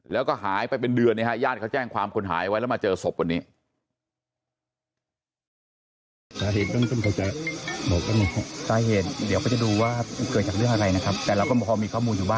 แล้วก็หายไปเป็นเดือนญาติเขาแจ้งความคนหายไว้แล้วมาเจอศพวันนี้